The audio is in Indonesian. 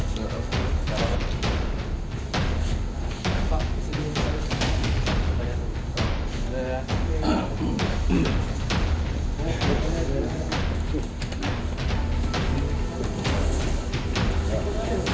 sampai ketemu kembali